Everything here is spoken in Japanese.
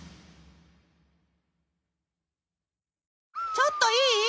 ちょっといい？